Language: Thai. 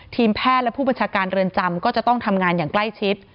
ทีมแพทย์และผู้บัญชาการเรือนจำก็จะต้องทำงานอย่างใกล้ชิด